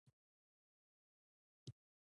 بادي انرژي د افغانستان د ځمکې د جوړښت یوه نښه ده.